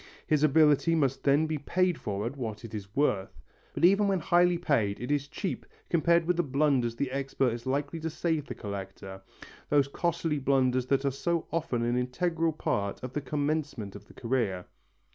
His ability must then be paid for at what it is worth. But even when highly paid it is cheap compared with the blunders the expert is likely to save the collector those costly blunders that are so often an integral part of the commencement of the career.